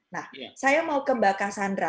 nah saya mau ke mbak cassandra